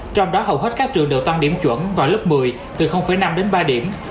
trong đó hầu hết các trường đều tăng điểm chuẩn vào lớp một mươi từ năm đến ba điểm